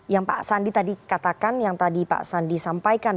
yang pak sandi tadi katakan yang tadi pak sandi sampaikan